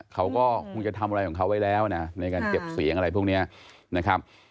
เขาก็คงจะทำอะไรของเขาไว้แล้วนะในการเก็บเสียงอะไรพวกนี้นะครับ